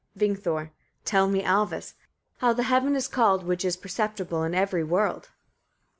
Vingthor. 12. Tell me, Alvis, etc. how the heaven is called, which is perceptible in every world.